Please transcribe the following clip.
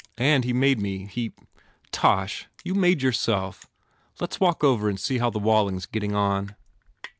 And he made me. He " "Tosh! You made yourself! Let s walk over and see how the Walling s getting on."